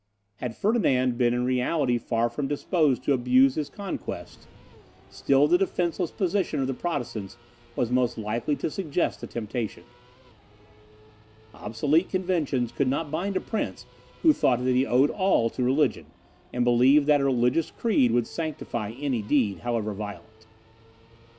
Had Ferdinand been in reality far from disposed to abuse his conquests, still the defenceless position of the Protestants was most likely to suggest the temptation. Obsolete conventions could not bind a prince who thought that he owed all to religion, and believed that a religious creed would sanctify any deed, however violent.